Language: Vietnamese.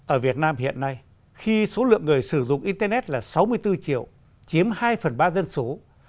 ở việt nam hiện nay khi số lượng người sử dụng internet là sáu mươi bốn triệu chiếm hai phần ba dân số